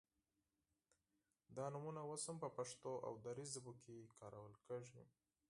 دا نومونه اوس هم په پښتو او دري ژبو کې کارول کیږي